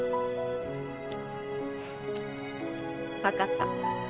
分かった。